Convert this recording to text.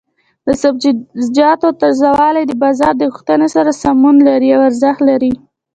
د سبزیجاتو تازه والي د بازار د غوښتنې سره سمون لري او ارزښت لري.